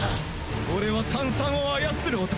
俺は炭酸を操る男！